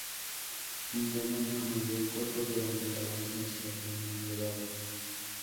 Lindemann comandó el cuerpo durante el avance hacia Leningrado.